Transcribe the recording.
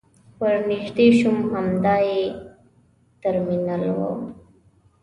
ور نژدې شوم همدا يې ترمینل و.